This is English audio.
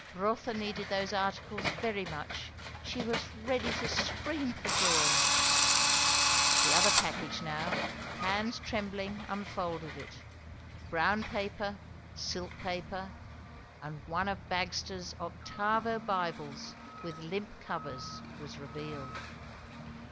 Rotha needed those articles very much; she was ready to scream for joy. The other package now; hands trembling unfolded it. Brown paper, silk paper, and one of Bagster's octavo Bibles with limp covers was revealed.